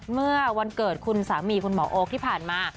เมื่อวันเกิดคุณสามีคุณหมอโอ๊คที่ผ่านมา